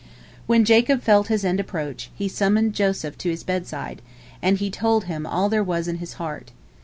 When Jacob felt his end approach, he summoned Joseph to his bedside, and he told him all there was in his heart.